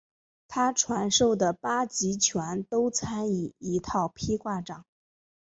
他传授的八极拳都参以一套劈挂掌。